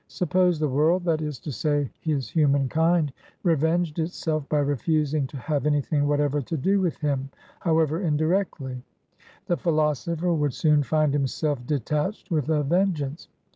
Suppose the worldthat is to say, his human kindrevenged itself by refusing to have anything whatever to do with him, however indirectly; the philosopher would soon find himself detached with a vengeance.